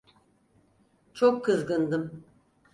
Çok kızgındım.